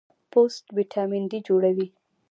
پوست وټامین ډي جوړوي.